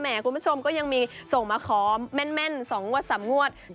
คุณผู้ชมก็ยังมีส่งมาขอแม่น๒งวด๓งวด